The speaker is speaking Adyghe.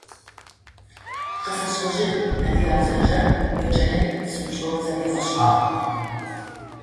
Къэсэшӏэжьы, адыгабзэкӏэ еджэныр псынкӏэу зэригъэшӏагъ.